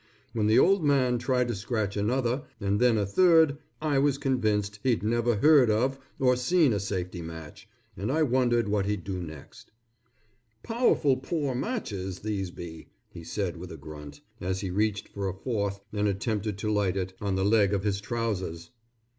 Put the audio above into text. When the old man tried to scratch another, and then a third, I was convinced he'd never heard of or seen a safety match, and I wondered what he'd do next. "Powerful pore matches, these be," he said with a grunt, as he reached for a fourth and attempted to light it on the leg of his trousers.